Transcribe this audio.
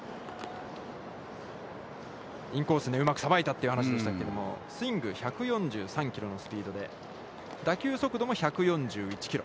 インコースをうまくさばいたという話でしたけれどもスイング、１４３キロのスピードで、打球速度も１４１キロ。